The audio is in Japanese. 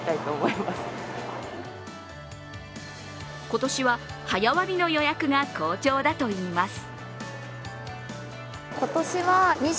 今年は早割の予約が好調だといいます。